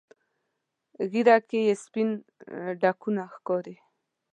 ږیره کې یې سپین ډکونه ښکاري.